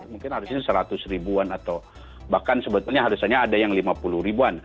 mungkin harusnya seratus ribuan atau bahkan sebetulnya harusannya ada yang lima puluh ribuan